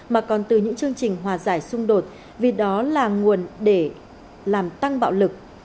mà còn từ những chương trình hòa giải xung đột vì đó là nguồn để làm tăng bạo lực